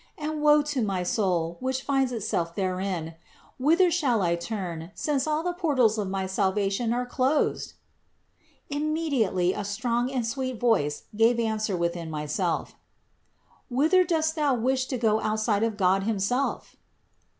and woe to my soul, which finds itself therein! Whither shall I turn, since all the portals of my salvation are closed?" Immediately a strong and sweet voice gave answer within myself: "Whither dost thou wish to go outside of God himself?"